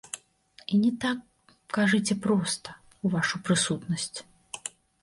І не так, кажыце проста, у вашу прысутнасць!